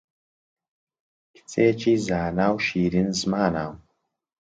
کچێکی زانا و شیرین زمانە